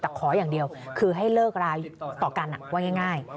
แต่ขออย่างเดียวคือให้เลิกราต่อกันว่าง่าย